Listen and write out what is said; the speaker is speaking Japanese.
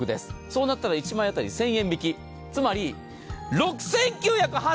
そうなったら１枚当たり１０００円引きつまり、６９８０円！